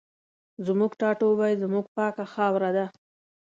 زموږ ټاټوبی زموږ پاکه خاوره ده